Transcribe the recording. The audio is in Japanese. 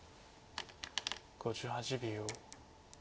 ５８秒。